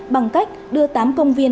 bằng cách đưa tám công viên